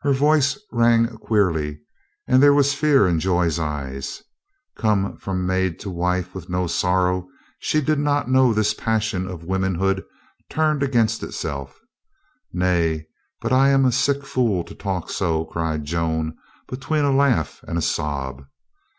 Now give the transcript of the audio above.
Her voice rang queerly and there was fear in Joy's eyes. Come from maid to wife with no sorrow, she did not know this passion of womanhood turned against itself. "Nay, but I am a sick fool to talk so," cried Joan between a laugh and a sob.